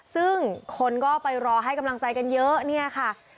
ซึ่งคนก็ไปรอให้กำลังใจกันเยอะเนี่ยค่ะ